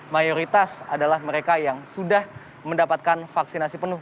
mayoritas adalah mereka yang sudah mendapatkan vaksinasi penuh